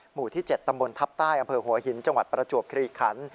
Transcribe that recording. หมู่ที่๗ตำบลทัพใต้อำเภอหัวหินจังหวัดประจวบคลีขัน